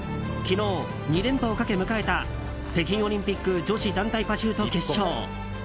昨日、２連覇をかけ迎えた北京オリンピック女子団体パシュート決勝。